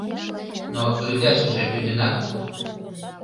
Но лӱдашыже лӱдынак?